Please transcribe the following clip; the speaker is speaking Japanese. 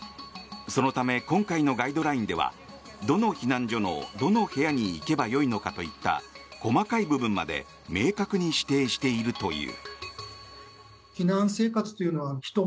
そのため今回のガイドラインではどの避難所の、どの部屋に行けばよいのかといった細かい部分まで明確に指定しているという。